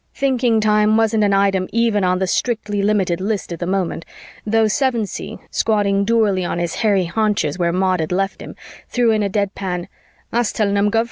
Thinking time wasn't an item even on the strictly limited list at the moment, although Sevensee, squatting dourly on his hairy haunches where Maud had left him, threw in a dead pan "Thas tellin em, Gov."